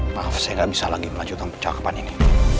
maaf saya nggak bisa lagi melanjutkan percakapan ini